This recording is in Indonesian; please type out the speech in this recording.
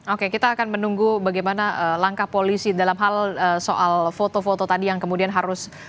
oke kita akan menunggu bagaimana langkah polisi dalam hal soal foto foto tadi yang kemudian harus